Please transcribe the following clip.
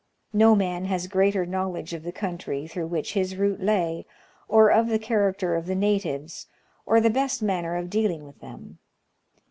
No man has greater knowledge of the country through which his route lay, or of the character of the natives, or the best manner of dealing with them.